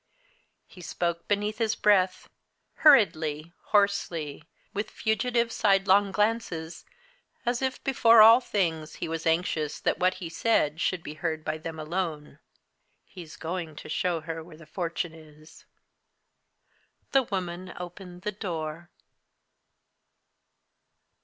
He spoke beneath his breath, hurriedly, hoarsely, with fugitive sidelong glances, as if before all things he was anxious that what he said should be heard by them alone. "He's going to show her where the fortune is!" The woman opened the door.